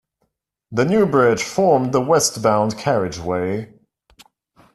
The new bridge formed the westbound carriageway.